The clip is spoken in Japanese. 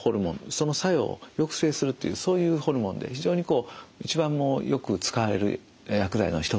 その作用を抑制するというそういうホルモンで非常に一番よく使われる薬剤の一つになります。